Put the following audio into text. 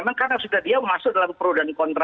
emang karena sudah dia masuk dalam perudahan kontroversi